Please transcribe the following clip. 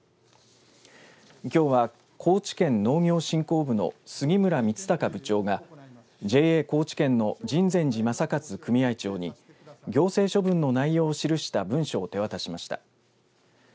きょうは高知県農業振興部の杉村充孝部長がＪＡ高知県の秦泉寺雅一組合長に行政処分の内容を記した文書を手渡しました。